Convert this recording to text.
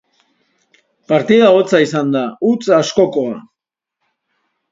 Partida hotza izan da, huts askokoa.